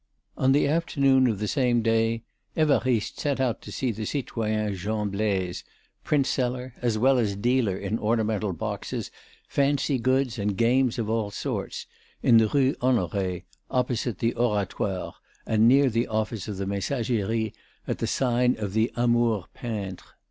III On the afternoon of the same day Évariste set out to see the citoyen Jean Blaise, printseller, as well as dealer in ornamental boxes, fancy goods and games of all sorts, in the Rue Honoré, opposite the Oratoire and near the office of the Messageries, at the sign of the Amour peintre.